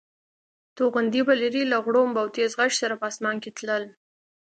توغندي به لرې له غړومب او تېز غږ سره په اسمان کې تلل.